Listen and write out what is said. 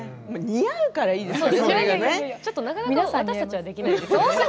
似合うからいいんです。